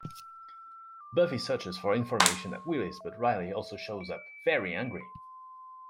Buffy searches for information at Willy's but Riley also shows up, very angry.